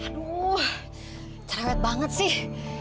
aduh cerah banget sih